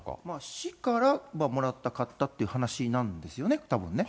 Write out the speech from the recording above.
市からもらった、買ったっていう話なんですよね、たぶんね。